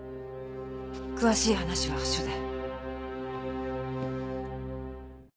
詳しい話は署で。